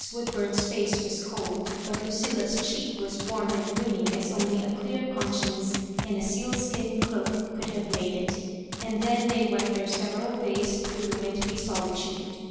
Woodbum's face was cold, but Lucilla's cheek was warm and blooming as only a clear con science and a sealskin cloak could have made it; and then they went their several ways through the wintry solitude.